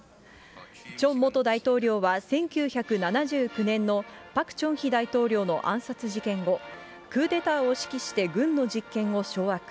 チョン元大統領は１９７９年のパク・チョンヒ大統領の暗殺事件後、クーデーターを指揮して軍の実権を掌握。